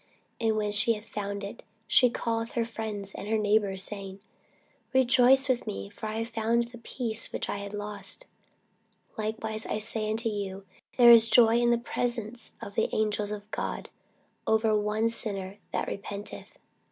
And when she hath found it, she calleth her friends and her neighbours together, saying, Rejoice with me; for I have found the piece which I had lost. Likewise, I say unto you, there is joy in the presence of the angels of God over one sinner that repenteth.